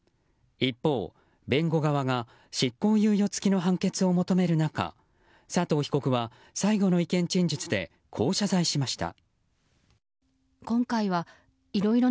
一方、弁護側が執行猶予付きの判決を求める中佐藤被告は、最後の意見陳述でこう謝罪しました。